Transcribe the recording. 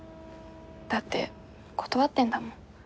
だって断ってんだもん。